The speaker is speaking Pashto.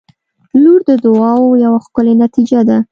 • لور د دعاوو یوه ښکلي نتیجه ده.